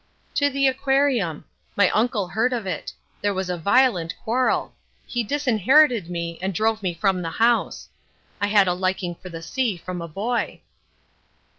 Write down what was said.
"To the Aquarium. My uncle heard of it. There was a violent quarrel. He disinherited me and drove me from the house. I had a liking for the sea from a boy."